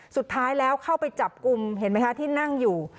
สุดท้ายแล้วเข้าไปจับกลุ่มเห็นไหมคะที่นั่งอยู่